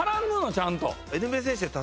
ちゃんと。